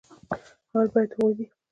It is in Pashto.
اول بايد هغوي دې